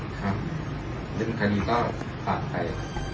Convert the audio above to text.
ครับเรื่องคดีก็ต่างไป